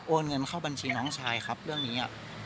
เงินเข้าบัญชีน้องชายครับเรื่องนี้